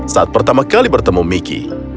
saat pertama kali bertemu miki